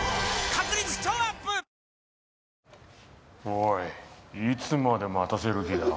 おいいつまで待たせる気だ？